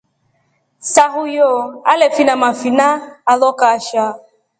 Sahuyo alefine mafina alo kashaa.